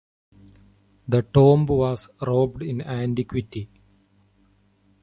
The tomb was robbed in antiquity.